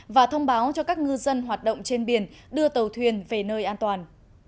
và thông báo cho các ngư dân hoạt động trên biển đưa tàu thuyền về nơi an toàn